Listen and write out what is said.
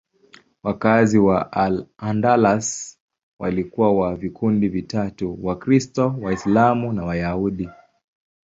Wakazi wa Al-Andalus walikuwa wa vikundi vitatu: Wakristo, Waislamu na Wayahudi.